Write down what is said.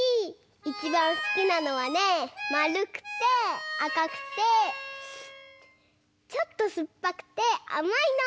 いちばんすきなのはねまるくてあかくてちょっとすっぱくてあまいの。